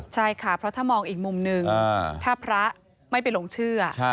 ใช่ค่ะเพราะถ้ามองอีกมุมหนึ่งถ้าพระไม่ไปหลงเชื่อ